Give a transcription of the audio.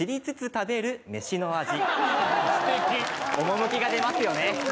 趣が出ますよね。